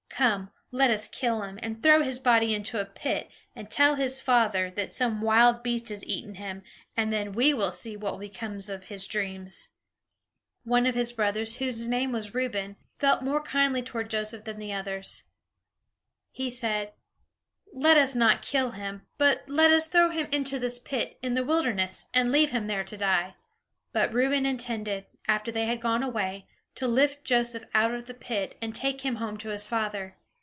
Come, let us kill him, and throw his body into a pit, and tell his father that some wild beast has eaten him; and then we will see what becomes of his dreams." [Illustration: Walking northward over the mountains] One of his brothers, whose name was Reuben, felt more kindly toward Joseph than the others. He said: "Let us not kill him, but let us throw him into this pit, in the wilderness, and leave him there to die." But Reuben intended, after they had gone away, to lift Joseph out of the pit, and take him home to his father.